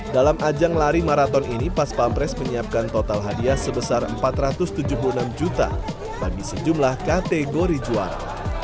dalam ajang lari maraton ini pas pampres menyiapkan total hadiah sebesar empat ratus tujuh puluh enam juta bagi sejumlah kategori juara